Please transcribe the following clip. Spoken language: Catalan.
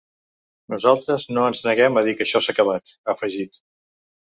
Nosaltres no ens neguem a dir que això s’ha acabat, ha afegit.